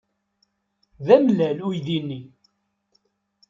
D amellal uydi-nni.